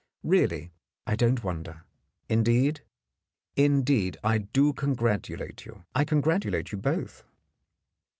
Really, I don't wonder. Indeed — indeed, I do congratulate you — I congratulate you both."